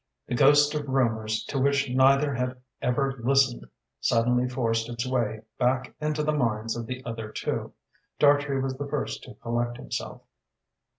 The ghost of rumours to which neither had ever listened suddenly forced its way back into the minds of the other two. Dartrey was the first to collect himself.